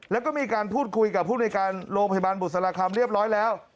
แล้วก็มีการพูดคุยกับผู้ในการโรงพยาบาลบุษราคำเรียบร้อยแล้ว